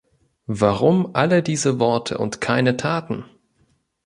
Warum alle diese Worte und keine Taten?